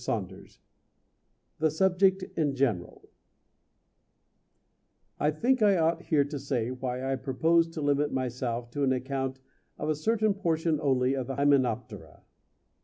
THE SUBJECT IN GENERAL I think I ought here to say why I propose to limit myself to an account of a certain portion only of the Hymenoptera.